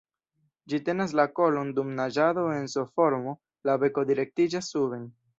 Ĝi tenas la kolon dum naĝado en S-formo, la beko direktiĝas suben.